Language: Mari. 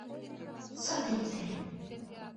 — Садикте.